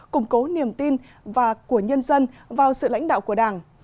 củng cố niềm tin và của nhân dân vào sự lãnh đạo của đảng